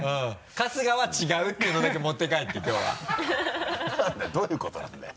春日は違うっていうのだけ持って帰ってきょうは。何だよどういうことなんだよ。